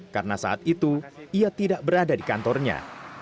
karena saat itu ia tidak berada di kantornya